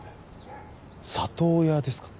里親ですか？